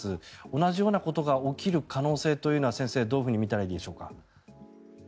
同じようなことが起きる可能性は先生どう見たらいいでしょうか？